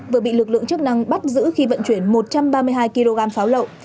vừa bị lực lượng chức năng bắt giữ khi vận chuyển một trăm ba mươi hai kg pháo lậu